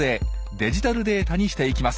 デジタルデータにしていきます。